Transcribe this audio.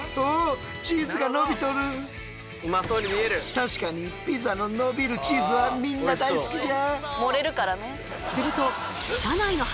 確かにピザの伸びるチーズはみんな大好きじゃ。